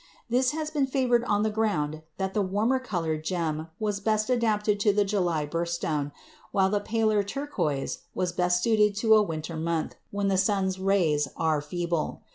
This has been favored on the ground that the warmer colored gem was best adapted for a July birth stone, while the paler turquoise was best suited to a winter month, when the sun's rays are feeble.